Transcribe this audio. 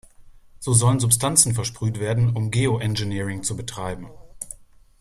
So sollen Substanzen versprüht werden, um Geoengineering zu betreiben.